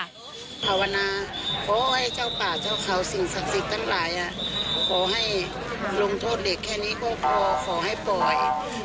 ภาวนาขอให้เจ้าป่าเจ้าเขาสิ่งศักดิ์สิทธิ์ทั้งหลายขอให้ลงโทษเด็กแค่นี้ก็พอขอให้ปล่อย